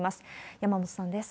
山本さんです。